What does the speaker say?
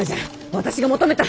私が求めた！